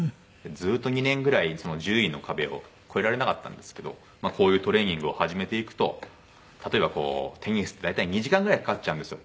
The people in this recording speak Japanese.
ずっと２年ぐらい１０位の壁を越えられなかったんですけどこういうトレーニングを始めていくと例えばこうテニスって大体２時間ぐらいかかっちゃうんですよ